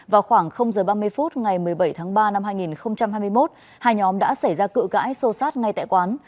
vào khoảng h ba mươi phút ngày một mươi bảy tháng ba năm hai nghìn hai mươi một hai nhóm đã xảy ra cự cãi sâu sát ngay tại quán